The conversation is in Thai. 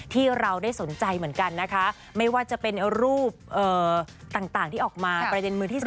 ที่เราได้สนใจเหมือนกันนะคะไม่ว่าจะเป็นรูปต่างที่ออกมาประเด็นมือที่๒